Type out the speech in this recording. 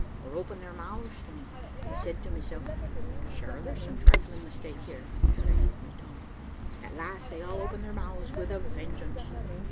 or opened their mouths to me. I said to myself, `Sure there's some trifling mistake here,' but I held my tongue. At last they all opened their mouths with a vengeance.